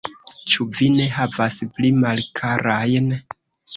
Ĉu vi ne havas pli malkarajn?